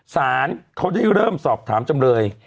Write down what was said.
สารเขาได้เริ่มสอบถามจำเลย